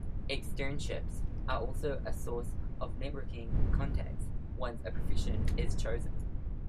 Externships are also a source of networking contacts once a profession is chosen.